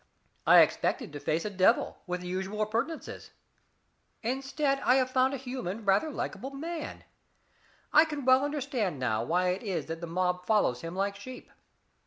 I expected to face a devil, with the usual appurtenances. Instead I have found a human, rather likable man. I can well understand now why it is that the mob follows him like sheep.